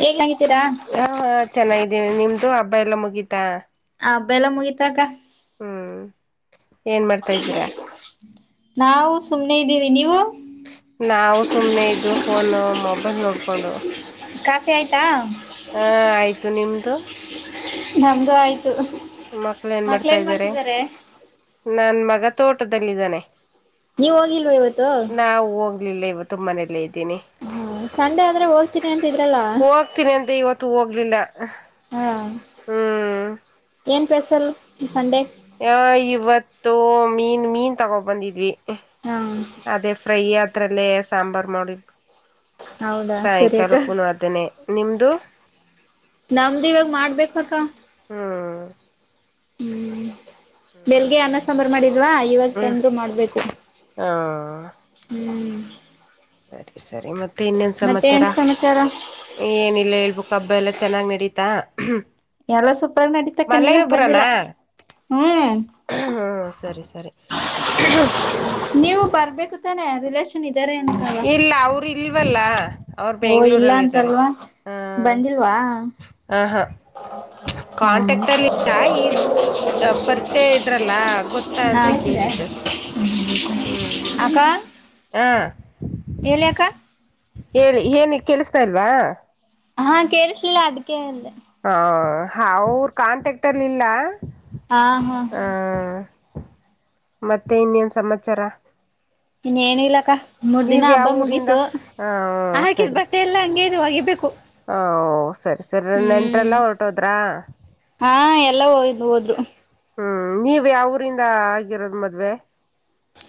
ಹೇಗಾಗಿದ್ದೀರಾ yeah ಹಾ ಚೆನ್ನಾಗ ಇದ್ದೀನಿ ನಿಮ್ದು ಹಬ್ಬ ಎಲ್ಲ ಮುಗೀತಾ. ಹಬ್ಬೆಲ್ಲಾ ಮುಗಿತಾ ಕಾ. ಹ್ಮ ಏನ್ ಮಾಡ್ತಾ ಇದ್ದೀರಾ. ನಾವು ಸುಮ್ನೆ ಇದ್ದೀವಿ ನೀವು. ನಾವು ಸುಮ್ನೆ ಇದ್ದು ಫೋನು ಮೊಬೈಲ್ ನೋಡ್ಕೊಂಡು. ಟೀ ಆಯ್ತಾ ಹಾ ಆಯ್ತು ನಿಮ್ದು [unintelligible] ನಮ್ದು ಆಯ್ತ ತ್ಹ ಮಕ್ಳ ಏನ್ ಮಾಡ್ತಿದ್ದಾರೆ. ನನ್ ಮಗ ತೋಟದಲ್ಲಿದ್ದಾನೆ. ನೀವ ಹೋಗಿಲ್ವ ಇವತ್ತು. ಇಲ್ಲ ಇವತ್ತು ಮನೆಲೆ ಇದ್ ದ್ದೀನಿ ಹ್ಮ ಸಂಡೆ ಆದ್ರೆ ಹೋಗ್ತೀನಿ ಅಂತಿದ್ರಲ್ಲ ಹೋಗ್ತೀನಿ ಅಂದೆ ಇವತ್ತು ಹೋಗ್ಲಿಲ್ಲ. ಹಾ ಹ್ಮ್ ಏನ್ ಪೇಸಲ್ ಈ ಸಂಡೆ ಯ ಇವತ್ತು ಮೀನ್ ಮೀನ್ ತಗೋ ಬಂದಿದ್ವಿ. ಹ್ಮ್ ಹಾ ಅದೇ ಫ್ರೈ ಅದ್ರಲ್ಲೇ ಸಾಂಬಾರ್ ಮಾಡ್ವಿಕು. ಹೌದಾ ಸರಿ ಅಕ್ಕ ಸಾಯಂಕಾಲಕ್ಕುನೂ ಅದನೇ ನಿಮ್ದು. ನಮ್ದು ಇವಾಗ ಮಾಡ್ಬೇಕಕ್ಕ. ಹ್ಮ ಹ್ಮ ಬೆಳಗ್ಗೆ ಅನ್ನ ಸಾಂಬಾರ್ ಮಾಡಿದ್ ಲ್ವಾ ಇವತ್ತು ಹ್ಮ್ ತಂದ್ರು ಮಾಡ್ಬೇಕು ಹಾ ಹ್ಮ [unintelligible] ಸರಿ ಮತ್ತೆ ಇನ್ನೆನ್ ಮತ್ತೆ ಸಮಾಚಾರ ಏನ್ ಸಮಾಚಾರ ಏನಿಲ್ಲ ಹೇಳ್ಬೇಕ ಹಬ್ಬ ಎಲ್ಲಾ ಚೆನ್ನಾಗ್ ನಡೀತಾ. ಎಲ್ಲ ಸುಪರ್ ನಡೀತಕ್ಕ ನೀವೇ ಬಂದಿಲ್ಲ ಮಲಯನ್ಪುರನಾ ಹ್ಮು ಹ್ಮ ಸರಿ ಸರಿ [unintelligible] ನೀವು ಬರ್ಬೇಕು ತಾನೆ ರಿಲೇಶನ್ ಇದಾರೆ ಅನ್ಸಲ್ಲ ಇಲ್ಲ ಅವರು ಇಲ್ವಲ್ಲ ಅವ್ರು ಓ ಇಲ್ಲ ಬೆಂಗ್ಳೂರಲ್ಲಿ ಇದ್ದಾರೆ ಅನ್ಸಲ್ವಾ ಹ ಬಂದಿಲ್ವಾ [unintelligible] ಕಾಂಟ್ಯಾಕ್ಟ್ ಅಲ್ಲಿಲ್ಲ ಈ ಪರಿಚಯ ಇದ್ರಲ್ಲ ಗೊತ್ತಾ ಅಂತ ಕೇಳಿದಷ್ಟೇ. ಹ ಅಕ್ಕ ಹ ಹೇಳಿ ಅಕ್ಕ ಹೇಳಿ ಏನ ಕೇಳುಸ್ತಾ ಇಲ್ವಾ. ಹಾ ಕೇಳಿಸಲಿಲ್ಲ ಅದಕ್ಕೆೇ ಅಂದೆ ಹಾ ಹ ಅವರು ಕಾಂಟ್ಯಾಕ್ಟಲ್ಲಿ ಇಲ್ಲ ಹಾ ಹಾ ಹ ಮತ್ತೆ ಇನ್ನೇನ್ ಸಮಾಚಾರ. ಇನ್ನ ಏನಿಲ್ಲಕ್ಕ ಮೂರ್ ದಿನ ನೀವ್ ಹಬ್ಬ ಯಾವ ಊರಿಂದ ಮುಗೀತು ಹಾ ಹಾಕಿದ ಬಟ್ಟೆ ಎಲ್ಲ ಅಂಗೆ. ಐತೆ ಹೋಗಿಬೇಕು ಹೋ ಸರಿ ಸರ್ ನೆಂಟ್ರಲ್ಲ ಹೊರಟೋದ್ರಾ. ಹಾ ಎಲ್ಲ ಹೋಗಿದ್ ಹೋದ್ರು. ಹ್ಮ್ ನೀವ್ ಯಾವ ಊರಿಂದ ಆಗಿರೋದ ಮದ್ವೆ.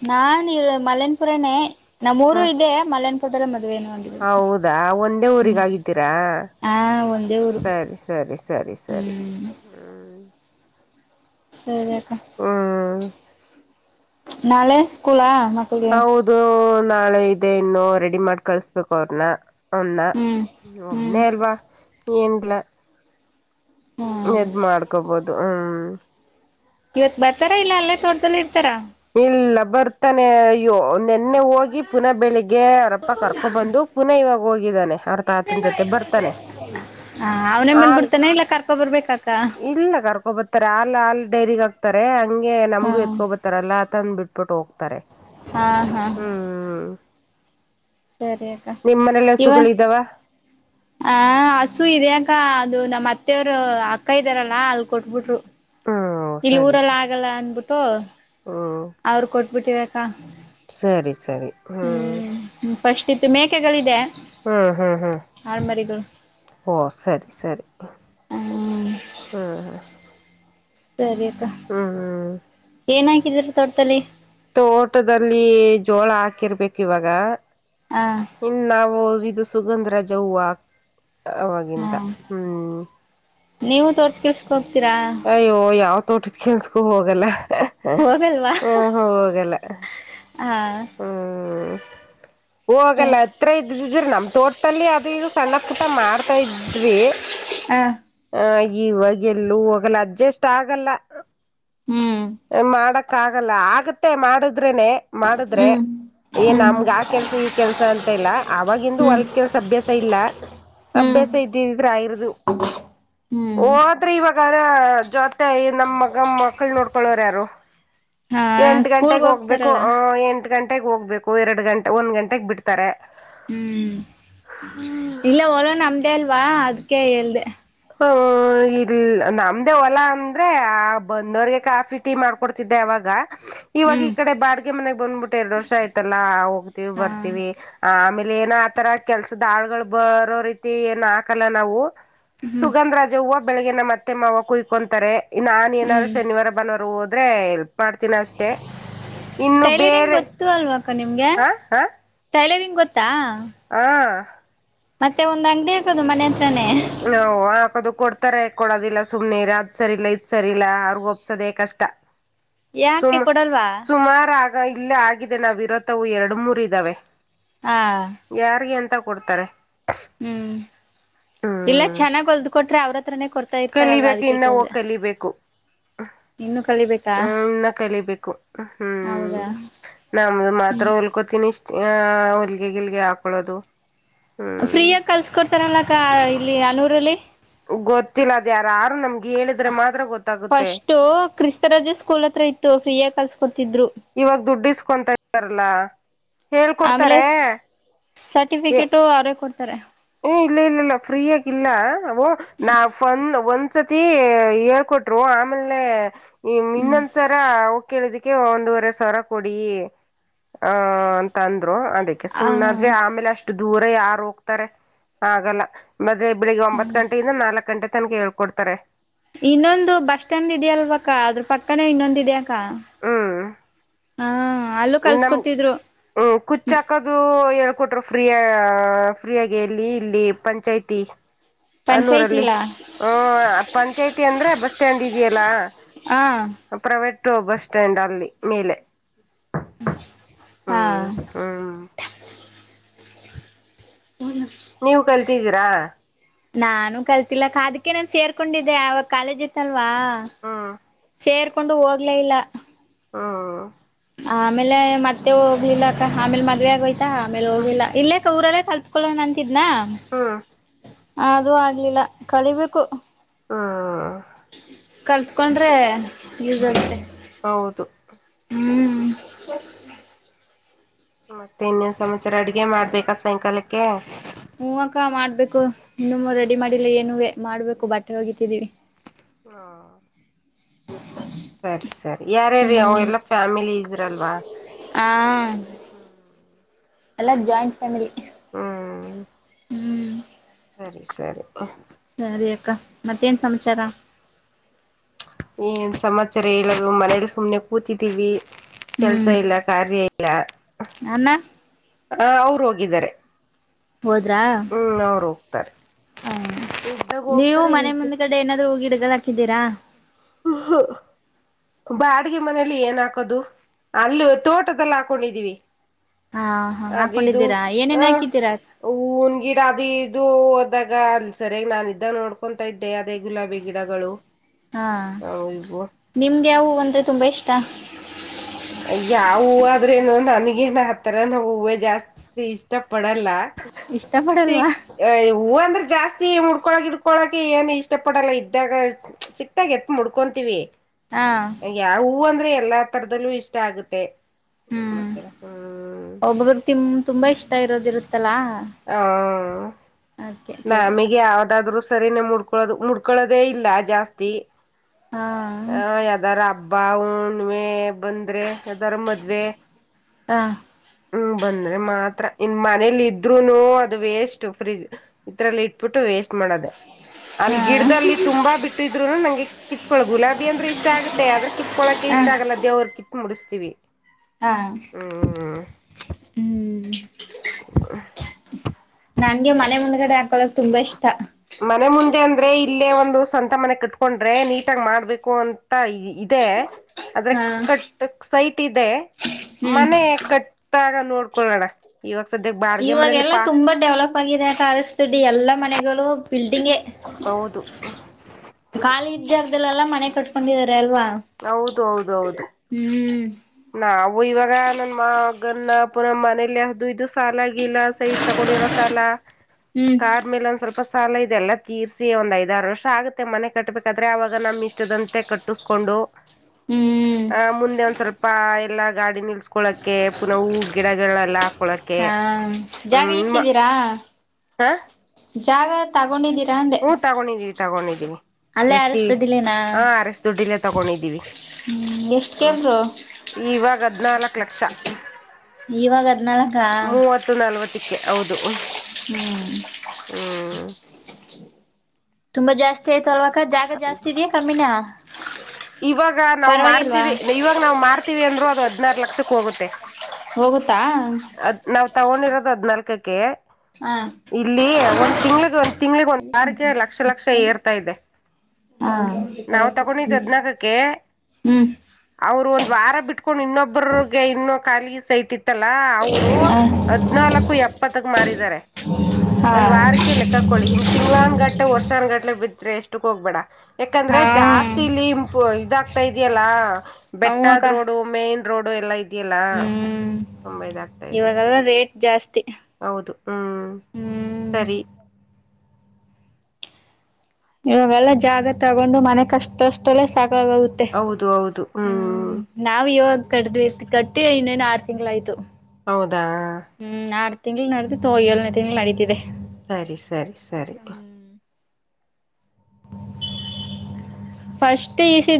ನಾ ಇ ಮಲಯನ್ಪುರನೇ ನಮ್ಮೂರು ಹ್ಮ್ ಇದೆ ಮಲಯನ್ಪುರದಲ್ಲಿ ಮದುವ್ ಹೌದಾ ಒಂದೇ ಊರಿಗಾಗಿದ್ದೀರಾ. ಹಾ ಒಂದೇ ಊರು. ಸರಿ ಸರಿ ಸರಿ ಸರಿ ಹ್ಮ್ ಹ್ಮ್ ಸರಿ ಅಕ್ಕ ಹ್ಮ್ ನಾಳೆ ಸ್ಕೂಲಾ ಮಕ್ಕಳಿಗೆ ಹೌದು ನಾಳೆ ಇದೆ ಇನ್ನು ರೆಡಿ ಮಾಡಿ ಕಳಸ್ಬೇಕು ಅವ್ರನ್ನ. ಅವನ ಹ್ಮ್ ಹ್ಮ್ ಒಬ್ಬನೇ ಅಲ್ವಾ ಏನಿಲ್ಲ ಹ್ಮ್ ಎದ್ ಮಾಡ್ಕೊಬೋದು ಹ್ಮ್ ಇವತ್ ಬರ್ತಾರ ಇಲ್ಲ ಅಲ್ಲೇ ತೋಟ್ದದಲ್ಲಿ ಇರ್ತಾರಾ. ಇಲ್ಲ ಬರ್ತಾನೆ ಅಯ್ಯೋ ನೆನ್ನೆ ಹೋಗಿ ಪುನಃ ಬೆಳಿಗ್ಗೆ ಅವರಪ್ಪ ಕರ್ಕೊಬಂದು ಪುನಃ ಇವಾಗ ಹೋಗಿದ್ದಾನೆ. ಅವ್ರ ತಾತನ್ ಜೊತೆ ಬರ್ತಾನೆ ಹ ಅವನೇ ಹಾಲ್ ಬಂದ್ಬಿಡ್ತಾನೆ ಇಲ್ಲ ಕರ್ಕೊ ಬರಬೇಕಾ ಅಕ್ಕ. ಕರ್ಕೊಬತಾರೆ ಆಲ್ ಆಲ್ ಡೈರಿಗ್ ಹಾಕ್ತಾರೆ ಹಂಗೆ ಹಾ ನಮ್ಗು ಎತ್ಕೊಬತಾರಲ್ಲ ಅ ತಂದ್ ಬಿಟ್ಬಿಟ್ಟು ಹೋಗ್ತಾರೆ. ಹಾ ಹಾ ಹ್ಮ್ ಸರಿ ಅಕ್ಕ ನಿಮ್ ಮನೇಲಿ ಇವ ಹಸುಗಳಿದಾವ ಆ ಹಸು ಇದೆಯ್ ಅಕ್ಕ ಅದು ನಮ್ಮ ಅತ್ತೆ ಅವರು ಅಕ್ಕ ಇದ್ದಾರಲ್ಲಾ ಅಲ್ ಕೊಟ್ಬಿಟ್ರು. ಹ್ಮ್ ಇಲ್ಲಿ ಸರಿ ಊರೆಲ್ಲ ಸರಿ ಆಗಲ್ಲ ಅನ್ಬಿಟ್ಟು. ಹ್ಮ್ ಅವರು ಕೊಟ್ಟು ಬಿಟ್ವಿ ಅಕ್ಕ ಸರಿ ಸರಿ ಹ್ಮ್ ಫಸ್ಟ್ ಇತ್ತು ಮೇಕೆಗಳಿದೆ ಹ್ಮ್ ಹ್ಮ್ ಹ್ಮ್ ಆಳ್ಮರಿಗಳು ಓ ಸರಿ ಸರಿ ಹ್ಮ್ ಹ್ಮ್ ಸರಿ ಅಕ್ಕ ಹ್ಮ್ ಏನ್ ಹಾಕಿದ್ದೀರಾ ತೋಟತದಲ್ಲಿ. ತೋಟದಲ್ಲಿ ಜೋಳ ಹಾಕಿರ್ಬೇಕ ಇವಾಗ. ಹ ಇಲ್ಲಾ ನ ಇದು ಸುಗಂಧರಾಜ ಹೂವ. ಅವಾಗಿಂತ ಹ್ಮ್ ಹ್ಮ. ನೀವು ತೋಟ ಕೆಲ್ಸಕ್ ಹೋಗ್ತೀರಾ ಅಯ್ಯೋ ಯಾವ ತೋಟದ ಕೆಲಸಕ್ಕೂ ಹೋಗಲ್ಲ. ಹೋಗಲ್ವಾ ಹ ಹೋಗಲ್ಲ. ಹಾ ಹ್ಮ. ಹೋಗಲ್ಲ ಹತ್ರ ಇದ್ದಿದ್ ನಮ್ ತೋಟದಲ್ಲಿ ಅದು ಇದು ಸಣ್ಣ ಪುಟ ಮಾಡ್ತಾ ಇದ್ವಿ. ಹಾ ಆ ಇವಾಗ ಎಲ್ಲೂ ಹೋಗಲ್ಲ ಅಡ್ಜಸ್ಟ ಆಗಲ್ಲ ಹ್ಮ್ ಮಾಡಕ್ ಆಗಲ್ಲ ಆಗತ್ತೆ ಮಾಡದ್ರೇನೆ ಮಾಡದ್ರೆ. ಹ್ಮ್ ಏ ಹ್ಮ್ ನಮಗ ಆ ಕೆಲ್ಸ ಈ ಕೆಲ್ಸ ಅಂತ ಇಲ್ಲ ಅವಾಗಿಂದು ಹ್ಮ್ ಹೊಲ್ದ ಕೆಲ್ಸ ಅಭ್ಯಾಸ ಇಲ್ಲ. ಹ್ಮ್ ಅಭ್ಯಾಸ ಇದ್ದಿದಿದ್ರೆ ಆಗಿರದು. ಹ್ಮ್ ಹೋದ್ರ ಇವಾಗದ ಜೊತೆ ನಮ್ ಮಗ ಮಕ್ಳ ನೋಡ್ಕೊಳೋರು ಯಾರು. ಹಾ ಎಂಟ ಗಂಟೆಗ ಸ್ಕೂಲ್ಗೆ ಹೋಗ್ಬೇಕು ಹೋಗ್ತಾರಲ್ಲ ಆ ಎಂಟ ಗಂಟೆಗ ಹೋಗ್ಬೇಕು ಎರಡ ಗಂಟೆ ಒಂದ್ ಗಂಟೆಗ ಬಿಡ್ತಾರ. ಹ್ಮ ಹ್ಮ್ ಇಲ್ಲ ಒಲೋ ನಮ್ದೇ ಅಲ್ವಾ ಅದಕೇ ಹೇಳ್ದ. ಪಾ ಇಲ್ ನಮ್ದೇ ಹೊಲ ಅಂದ್ರೆ ಆ ಬಂದವ್ರಗೆ ಕಾಫಿ ಟೀ ಮಾಡ್ಕೊಡ್ತಿದ್ದೆ ಅವಾಗ. ಇವಾಗ ಈ ಹ್ಮ್ ಕಡೆ ಬಾಡ್ಗೆ ಮನೇ ಬಂದ್ಬಿಟ್ಟ ಎರಡ್ ವರ್ಷ ಆಯ್ತಲ್ಲ ಹೋಗ್ತೀವಿ ಹಾ ಬರ್ತೀವಿ ಆಮೇ ಏನ ಆತರ ಕೆಲ್ಸದ ಆಳ್ಗಳು ಬರೋ ರೀತಿ ಏನ್ ಹಾಕಲ್ಲ ನಾವು. ಹ್ಮ್ ಸುಗಂಧ ರಾಜ ಹೂವ ಬೆಳಗ್ಗಿ ನಮ್ಮ ಅತ್ತೆ ಮಾವ ಕುಯ್ಕೊಂತಾರೆ ನಾನ ಏನಾರು ಹ್ಮ್ ಶನಿವಾರ ಬನವರು ಹದ ಆದ್ರೆ ಮಾಡ್ತೀನ ಅಷ್ಟೆ ಇನ್ನು ಟೈಲರಿಂಗ್ ಬೇರೆ ಗೊತ್ತು ಅಲ್ವಾಕ್ಕ ನಿಮ್ಗೆ ಹ ಹ ಟೈಲರಿಂಗ್ ಗೊತ್ತಾ. ಹಾ ಮತ್ತೆ ಒಂದ್ ಅಂಗಡಿ ಇರ್ತದ ಮನೆ ಹತ್ರನೇ ನಾ ವಾಪದು ಕೊಡ್ತಾರೆ ಕೊಡೋದಿಲ್ಲ ಸುಮ್ನೆರ ಅದ್ ಸರಿ ಇಲ್ಲ ಇದ್ ಸರಿ ಇಲ್ಲ ಅರ್ಗ ಒಪ್ಸದಕಷ್ಟ. ಟ ಯಾಕೆ ಸುಮ್ ಕೊಡಲ್ವಾ ಸುಮಾರ ಆಗ ಇಲ್ಲೇ ಆಗಿದೆ ನಾವ್ ಇರೋತ್ತವು ಎರಡ ಮೂರ್ ಇದ್ದಾವೆ. ಹಾ ಯಾರಿಗೆ ಅಂತ ಕೊಡ್ತಾರೆ. ಹ್ಮ್ ಇಲ್ಲ ಚೆನ್ನಾಗ ಹೊಲ್ದ ಕೊಟ್ರ ಅವ್ರ ಹತ್ರನೇ ಕೊಡ್ತಾ ಇರ್ತಾರಲ್ವಾ ಕಲಿಬೇಕ ಅದಕ್ಕೆ ಇನ್ನವು ಕೇಳ್ದ ಕಲಿಬೇಕು. ಇನ್ನು ಕಲಿಬೇಕಾ ಹ್ಮ ಇನ್ನ ಕಲಿಬೇಕು ಹೌದಾ ಹ್ಮ ನಮ ಮಾತ್ರ ಹ್ಮ್ ಹೊಲ್ಕೋತೀನಿ ಇಷ್ ಆ ಹೊಲ್ಗೆ ಗಿಲ್ಗೆ ಹಾಕೊಳ್ಳೋದು. ಹ್ಮ್ ಫ್ರೀಯಾಗಿ ಕಲ್ಸಕೊಡ್ತಾರಲ್ಲಕ್ಕ ಇಲ್ಲಿ ಅಲುರಲ್ಲಿ ಗೊತ್ತಿಲ್ಲ ಅದ ಯಾ ರಾರು ನಮ್ಗ ಫಸ್ಟ್ ಕ್ರಿಸ್ತರಜೆ ಸ್ಕೂಲ್ ಹತ್ರ ಇತ್ತು ಫ್ರೀಯಾಗಿ ಕಲ್ಸಕೊಡ್ತ. ಇವಾಗ ದುಡ್ಡಿಸಕೊತ ಇದ್ದಾರಲ್ಲಾ. ಆಮೇಲೆ ಹೇಳ್ಕೊಡ್ತಾರೆ ಏ ಸರ್ಟಿಫಿಕೇಟು ಅವರೇ ಕೊಡ್ತಾರೆ ಇಲ್ಲ ಇಲ್ಲ ಇಲ್ಲ ಫ್ರೀ ಆಗಲ್ಲ ಓ ನಾ ಫನ್ ಒಂದ ಸತಿ ಹೇಳ್ಕೊಟ್ರು ಆಮೇಲೆ ಹ್ಮ್ ಇನ್ನೊಂದ್ಸರ ಕೇಳಿದಕ್ಕೆ ಒಂದೂವರೆ ಸರ ಕೊಡಿ. ಆ ಅಂತಂದ್ರು ಅದಕ್ಕೆ ಆ ಸುಮ್ನಾದ್ವಿ ಆಮೇಲೆ ಅಷ್ಟ ದೂರ ಯಾರ ಹೋಗ್ತಾರೆ. ಆಗಲ್ಲ ಮತ್ತೆ ಬೆಳಿಗ್ಗೆ ಒಂಬತ್ ಗಂಟೆಯಿಂದ ನಾಲ್ಕ ಗಂಟೆ ತನಕ ಹೇಳ್ಕೊಡ್ತಾರೆ. ಇನ್ನೊಂದು ಬಸ್ ಸ್ಟ್ಯಾಂಡ್ ಇದೆಯಲ್ವಾಕ್ಕ ಅದ್ರ ಪಕ್ಕನೇ ಇನ್ನೊಂದ ಇದ್ಯಾಕ. ಹಾ. ಅಲ್ಲೂ ನಮ ಕಲ್ಸ್ಕೊಡ್ತಿದ್ರು ಹ್ಮ ಕುಚ್ಚಾಕದು. ಕೊಟರು ಫ್ರೀಯ ಫ್ರೀ ಆಗ ಎಲ್ಲಿ ಇಲ್ಲಿ ಪಂಚಾಯ್ತಿ. ಅನ್ನೂರಲ್ಲಿ ಪಂಚಾಯತಿಲಾ ಹ ಪಂಚಾಯತಿ ಅಂದ್ರೆ ಬಸ್ ಸ್ಟ್ಯಾಂಡ್ ಇದೆಯಲ್ಲಾ. ಹ ಪ್ರೈವಟ್ ಬಸ್ ಸ್ಟ್ಯಾಂಡ್ ಅಲ್ಲಿ ಮೇಲೆ ಹಾ ಹ್ಮ ಹೂಂ ಹ್ಮ ನೀವು ಕಲ್ತಿದ್ದೀರಾ ನಾನು ಕಲ್ತಿಲ್ಲ ಅದಕ್ಕೆ ನಾನ್ ಸೇರ್ಕೊಂಡಿದ್ದೆ ಅವಾಗ ಕಾಲೇಜ್ ಇತ್ತಲ್ ವಾ ಹ್ಮ್ ಸೇರ್ಕೊಂಡು ಹೋಗ್ಲೇ ಇಲ್ಲ ಹ್ಮ ಆಮೇಲೆ ಮತ್ತೆ ಹೋಗ್ಲಿಲ್ಲಕ್ಕ ಆಮೇಲೆ ಮದ್ವೆ ಆಗ ಹೋಯ್ತಾ ಆಮೇಲೆ ಹ್ಮ್ ಹೋಗಿಲ್ಲ ಇಲ್ಲೇ ಊರಲ್ಲೇ ಕಲ್ತ್ಕೊಳ್ಳೋಣ ಅಂತಿದ್ನ ಹ್ಮ್ ಅದು ಆಗ್ಲಿಲ್ಲ ಕಲಿಬೇಕು ಹಾ ಕಲ್ತ್ಕೊಂಡ್ರೆ ಯೂಸ್ ಆಗತ್ತೆ ಹೌದು ಹ್ಮ್ ಮತ್ತೆ ಇನ್ನೇನ್ ಸಮಾಚಾರ ಅಡ್ಗೆ ಮಾಡ್ಬೇಕ ಸಾಯಂಕಾಲಕ್ಕೆ. ಹೂ ಅಕ್ಕ ಮಾಡ್ಬೇಕು ಇನ್ನುಮ್ಮ ರೆಡಿ ಮಾಡಿಲ್ಲ ಏನು ಮಾಡ್ಬೇಕು ಬಟ್ಟೆ ಒಗಿತಿದೀವಿ ಹಾ ಸರಿ ಸರಿ ಯಾರ್ಯಾರೀ ಅವ ಹ್ಮ್ ಎಲ್ಲಾ ಫ್ಯಾಮಿಲಿ ಇದ್ರಲ್ವಾ ಹ ಹ್ಮ್ ಎಲ್ಲ ಜಾಯಿಂಟ್ ಫ್ಯಾಮಿಲಿ ಹ್ಮ್ ಹ್ಮ್ ಸರಿ ಸರಿ ಸರಿ ಅಕ್ಕಾ ಮತ್ತೇನ್ ಸಮಾಚಾರ ಏನ್ ಸಮಾಚಾರ ಹೇಳದು ಮನೇಲಿ ಸುಮ್ನೆ ಕೂತಿದ್ದೀವಿ ಕೆಲ್ಸ ಹ್ಮ್ ಇಲ್ಲ ಕಾರ್ಯ ಇಲ್ಲ ಅನ್ನ ಅ ಅವ್ರು ಹೋಗಿದ್ದಾರೆ ಹೋದ್ರಾ ಹ್ಮ್ ಅವ್ರು ಹೋಗ್ತಾರೆ ಹ ಇದ್ದಾಗ ನೀವು ಹೋಗ್ತಾರೆ ಮನೆ ಇಲ್ತಿ ಮುಂದ ಗಡೆ ಏನಾದ್ರೂ ಹೂಗಿಡ ದ ಹಾಕಿದ್ದೀರಾ ಹ ಹಾ ಬಾಡಿಗೆ ಮನೇಲಿ ಏನ್ ಹಾಕದು ಅಲ್ಲಿ ತೋಟದಲ್ಲಿ ಹಾಕೊಂಡಿದೀವಿ ಹಾ ಹಾ ಅದ ಇದು ಹಾಕೊಂಡಿದ್ದೀರಾ ಏನೇನ್ ಹಾ ಹಾಕಿದ್ದೀರಾ ಹೂವಿನ್ ಗಿಡ ಅದ ಇದು ಹೋದಾಗ ಅಲ್ ಸರಿಯಾಗಿ ನಾನ ಇದ್ದಾಗ ನೋಡ್ಕೊಂತಾ ಇದ್ದೆ ಅದೇ ಗುಲಾಬಿ ಗಿಡಗಳು ಹಾ ಇವು ನಿಮ್ಗೆ್ ಯಾಹೂವು ಅಂದ್ರೆ ತುಂಬಾ ಇಷ್ಟ ಯಾವ್ ಹೂವ ಆದ್ರೇನು ನನ್ಗೇನ ಆತರ ನಾ ಹೂವ ಜಾಸ್ತಿ ಇಷ್ಟ ಪಡಲ್ಲ ಇಷ್ಟ ಸಿ ಪಡಲ್ವಾ ಹೂವ ಅಂದ್ರೆ ಜಾಸ್ತಿ ಮುಡ್ಕೊಳಕ್ ಹಿಡ್ಕೊಳಕ ಏನ್ ಇಷ್ಟ ಪಡಲ್ಲ ಇದ್ದಾಗ ಸಿಕ್ತಾಗ ಎತ್ ಮುಡ್ಕೊಂತೀವಿ. ಹಾ ಯಾ ಹೂ ಅಂದ್ರೆ ಎಲ್ಲಾ ತರದಲ್ಲೂ ಇಷ್ಟ ಆಗುತ್ತೆ ಏನ್ ಹ್ಮ್ ಮಾಡ್ತೀರಾ ಹ್ಮ್ ತುಂಬ ಇಷ್ಟ ಇರೋದಿರುತ್ ಹಾ ಅದಕ್ಕೆ ಕೇಳ್ದೆ ನಾಮಿಗೆ ಯಾವ್ದಾದ್ರು ಸರಿನೇ ಮುಡ್ಕೊಳ್ಳದು ಮುಡ್ಕೊಳ್ಳದೇ ಇಲ್ಲ ಜಾಸ್ತಿ ಹಾ ಹಾ ಯಾದರ ಹಬ್ ಬ್ಬಾ ಹುಣ್ಣಿವೇ ಬಂದ್ರೆ ಯದಾರ ಮದ್ವೆ ಹಾ ಹ್ಮ ಬಂದ್ರೆ ಮಾತ್ರ ಇನ್ ಮನೇಲಿ ಇದ್ ದ್ರೂನು ಅದು ವೇಸ್ಟ್ ಫ್ರಿಜ್ ಇದ್ರಲ್ಲ ಇಟ್ಬಿಟ್ಟು ವೇಸ್ಟ್ ಮಾಡೋದೆ. ಅಲ್ಲಿ ಹಾ ಗಿಡ್ದಲ್ಲಿ ತುಂಬಾ ಬಿಟ್ಟಿದ್ರುನು ನಂಗೆ ಕಿತ್ಕೊಳ್ಳ ಗುಲಾಬಿ ಅಂದ್ರೆ ಇಷ್ಟ ಆಗತ್ತೆ ಆದ್ರೆ ಕಿತ್ಕೊಳಕೆ ಹಾ ಇಷ್ಟ ಆಗಲ್ಲ ದೇವ್ರ ಕಿತ್ ಮುಡಿಸ್ತೀವಿ. ಹಾ ಹ್ಮ್. [inaudible] ನಂಗೆ ಮನೆ ಮುಂದ್ಗಡೆ ಹಾಕಳಕ್ ತುಂಬಾ ಇಷ್ ಮನೆ ಮುಂದೆ ಅಂ ಅಂದ್ರೆ ಇಲ್ಲೇ ಒಂದು ಸ್ವಂತ ಮನೆ ಕಟ್ಕೊಂಡ್ರೆ ನೀಟಾಗ್ ಮಾಡ್ಬೇಕು ಅಂತ ಇದೆ. ಆದ್ರೆ ಹಾ. ಕಟ್ ಸೈಟ್ ಇದೆ ಹ್ಮ್ ಮನೆ ಕಟ್ಟಾಗ ನೋಡ್ಕೊಳ್ಳೋಣ ಇವಾಗ್ ಇವಾಗೆಲ್ಲಾ ತುಂಬಾ ಡೆವಲಪ್ ಆಗಿದೆ ತಾರಸ್ ದುಡ್ಡಿ ಎಲ್ಲಾ ಮನೆಗಳು ಬಿಲ್ಟಂಗ್ಗೆ ಹೌದು ಖಾಲಿ ಇದ್ದಾಗ್ದಲ್ಲೆಲ್ಲ ಮನೆ ಕಟ್ಕೊಂಡಿದಿದ್ದಾರೆ ಅಲ್ವಾ ಹೌದು ಹೌದೌದು ಹ್ಮ್ ನಾವು ಇವಾಗ ನನ್ ಮಾಗನ್ನ ಪುರ ಮನೇಲಿ ಅದು ಇದು ಸಾಲ ಲ್ಲ ಸೈಟ್ ತಗೊಂಡಿರೋಸಾಲ ಹ್ಮ್ ಕಾರ ಸ್ವಲ್ಪ ಸಾಲ ಇದೆಲ್ಲ ತೀರಿಸಿ ಒಂದ್ ಐದಾರು ವರ್ಷ ಆಗುತ್ತೆ ಮನೆ ಕಟ್ಬೇಕಾದ್ರೆ ಆಗ ನಮ್ ಇಷ್ಟದಂತೆ ಕಟ್ಟಿಸ್ಕೊ ಹ್ಮ್ ಮುಂದೆ ಒಂದ ಸ್ವಲ್ಪ ಎಲ್ಲಾ ಗಾಡಿ ನಿಲ್ಸ್ಕೊಳಕೆ ಪುನಃ ಹೂ ಗಿಡಗಳಲ್ಲ ಹಾ ಜಾಗ ಇಕ್ಕಿದ್ದೀರಾ ಜಾಗ ತಗೊಂಡಿದ್ದೀರ ಹ್ಮ ತಗೊಂಡಿದೀವಿ ತಗೊಂಡಿದ್ದೀವಿ ಅಲ್ಲೇ ಜಾಸ್ತಿ ಅರಸ್ ದುಡ್ಡಿಲೇನಾ ಹಾ ಅರಸ್ ದುಡ್ಡಿಲ್ಲೇ ತಗೊಂಡಿದ್ದೀವಿ ಹ್ಮ್ ಎಷ್ಟ್ ಹ್ಮ ಕೇಳ್ರು ಇವಾಗ ಹದ್ನಾಲ್ಕು ಲಕ್ಷ ಇವಾಗ ಅದ್ನಲ್ಕ ಮೂವತ್ತು ನಲ್ವತ್ತಕ್ಕೆ ಹೌದು ಹ್ಮ್ ಹ್ಮ್ ತುಂಬಾ ಜಾಸ್ತಿ ಆಯ್ತು ಅಲ್ವ ಜಾಗ ಜಾಸ್ತಿಿದ್ಯಾಾ ಕಮ್ಮಿನ ಇವಾಗ ನಾವವು ಮಾರತಿವಿ ಇವಾಗ ನಾವ್ ಮಾರತಿವಿ ಅಂದ್ರು ಅದು ಹದ್ನಾರ ಲಕ್ಷಕ್ಕ ಹೋಗುತ್ತೆ ಹೋಗುತ್ತಾ ಅದ್ ನಾವ್ ತಗೊಂಡಿರೋದು ಹದ್ನಾಲ್ಕಕ್ಕೆ ಹ ಇಲ್ಲಿ ಒಂದ್ ತಿಂಗ್ಳಿಗೆ ಒಂದ್ ತಿಂಗಳಿಗೆ ಒಂದ್ ಆರಕ್ಕೆ ಲಕ್ಷ ಲಕ್ಷ ಏರ್ತಾ ಇದೆ ಹಾ ಹದಿನಲ್ಕಕ್ಕೆ ಅವರು ಒಂತ ವಾರ ಬಿಟ್ಕೊಂಡ್ ಇನ್ನೊಬ್ಬಗೆ ಇನ್ನ ಖಾಲಿ ಸೈಟ್ ಇ ಇತ್ತಲ್ಲಾ ಅವರು ಹ್ಮ್ ಹದ್ನಾಲ್ಕು ಎಪ್ಪತ್ತಕ್ ಮಾರಿದ್ದಾರೆ ಹಾ ಒಂದ್ ವಾರಕ್ಕೆ ಲೆಕ್ಕಾಕ್ಕಳಿ ಇಮ ತಿಂಗಂಗಳನ್ ಗಟ್ಟೆ ವರ್ಷನ್ಗಟ್ಲೆ ಬಿದ್ರೆ ಎಷ್ಟಕ್ ಹೋಗ್ಬೇಡ ಯಾಕಂದ್ರೆ ಹಾ ಜಾಸ್ತಿ ಇಲ್ಲಿ ಇದಾಗ್ತಾ ಇದೆಯಲ್ಲ ಅವು ಅಕ್ಕ ಬೆಟ್ಟದ ರೋಡು ಮೇನ್ ರೋಡು ಎಲ್ಲಾ ಇದೆಯಲ್ಲ ಹ್ಮ್ ತುಂಬಾ ಇದಾಗ್ತಾ ಇದೆ ಇವಾಗೆಲ್ಲ ರೇಟ್ ಜಾಸ್ತಿ ಹೌದು ಹ್ಮ್ ಹ್ಮ್ ಸರಿ ಇವಾಗೆಲ್ಲ ಜಾಗ ತಗೊಂಡು ಮನೆ ಕಷ್ಟ ಅಷ್ಟಲ್ಲ ಸಾಕ ಹೊಗುತ್ತೆ ಹೌದು ಹೌದು ಹ್ಮ್ ನಾವ ಇವಾಗ ಕಡ್ ಕಟ್ಟಿ ಇನ್ನೇನ್ ಆರು ತಿಂಗಗಳ ಆಯ್ತು ಹೌದಾ ತಿಂಗಳು ನಡೀದಿತ್ತ ಏಳನೇ ತಿಂಗಳು ನಡೀತಿದೆ ಸರಿ ಸರಿ ಸರಿ ಫಸ್ಟ್ ಈ ಸಿ